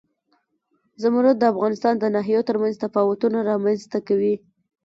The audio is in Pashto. زمرد د افغانستان د ناحیو ترمنځ تفاوتونه رامنځ ته کوي.